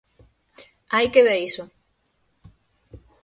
Aí queda iso.